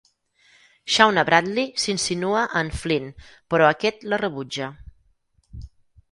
Shauna Bradley s'insinua a en Flynn però aquest la rebutja.